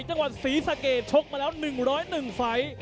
จังหวัดศรีสะเกดชกมาแล้ว๑๐๑ไฟล์